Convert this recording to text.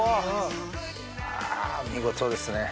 あ見事ですね。